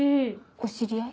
お知り合い？